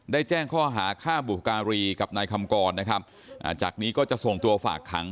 แจ้งข้อหาฆ่าบุการีกับนายคำกรนะครับจากนี้ก็จะส่งตัวฝากขัง